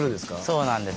そうなんです。